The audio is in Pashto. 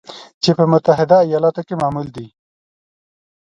چې په متحده ایالاتو کې معمول دی